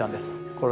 これ